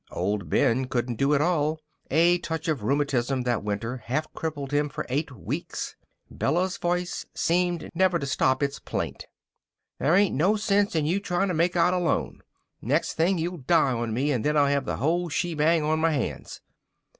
Old Ben couldn't do it all. A touch of rheumatism that winter half crippled him for eight weeks. Bella's voice seemed never to stop its plaint. "There ain't no sense in you trying to make out alone. Next thing you'll die on me, and then I'll have the whole shebang on my hands."